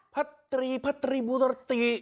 พระตรีพระตรีบุตรตรี